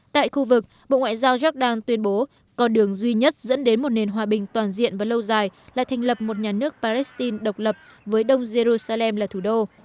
tại khu vực bộ ngoại giao jordan tuyên bố con đường duy nhất dẫn đến một nền hòa bình toàn diện và lâu dài là thành lập một nhà nước palestine độc lập với đông jerusalem là thủ đô